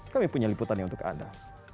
kami punya liputannya untuk anda